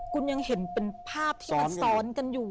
คุณยังเห็นเป็นภาพที่มันซ้อนกันอยู่